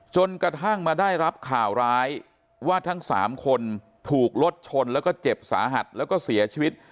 จนกระทั่งมาได้รับข่าวร้ายว่าทั้ง๓คนถูกรถชนแล้วก็เจ็บสาหัสแล้วก็เสียชีวิต